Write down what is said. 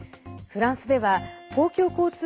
フランス２です。